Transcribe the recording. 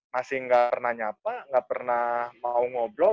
masih nggak pernah nyapa nggak pernah mau ngobrol